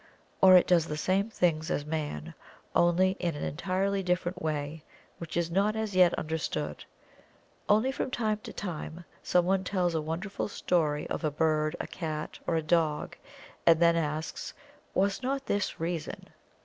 Or it does the same things as man, only in an entirely different way which is not as yet understood. Only from time to time some one tells a wonderful story of a bird, a dog or a cat, and then asks, "Was not this reason?"